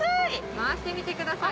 回してみてください。